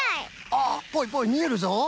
あっぽいぽいみえるぞ。